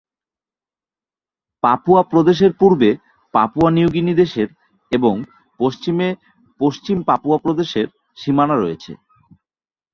Papua প্রদেশের পূর্বে Papua New Guinea দেশের এবং পশ্চিমে পশ্চিম পাপুয়া প্রদেশের সীমানা রয়েছে।